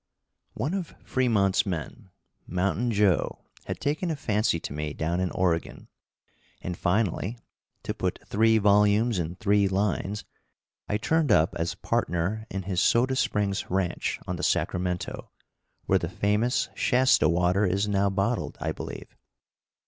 One of Fremont's men, Mountain Joe, had taken a fancy to me down in Oregon, and finally, to put three volumes in three lines, I turned up as partner in his Soda Springs ranch on the Sacramento, where the famous Shasta water is now bottled, I believe.